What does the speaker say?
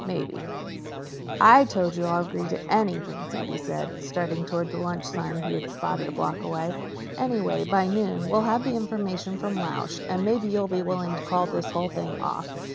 Maybe—" "I told you I'd agree to anything," Sandy said, starting toward a lunchroom sign he had spotted a block away. "Anyway, by noon we'll have the information from Lausch and maybe you'll be willing to call this whole thing off.